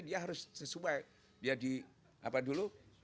dia harus sesuai dia di apa dulu